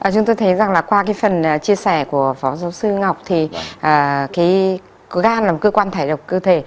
chúng tôi thấy rằng là qua cái phần chia sẻ của phó giáo sư ngọc thì cái cơ gan là một cơ quan thải độc cơ thể